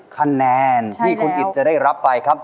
คะแนนที่คุณอิตจะได้รับไปครับ